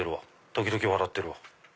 時々笑ってるわ。